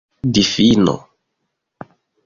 difino